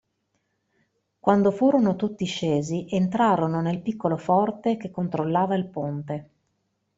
Quando furono tutti scesi, entrarono nel piccolo forte che controllava il ponte.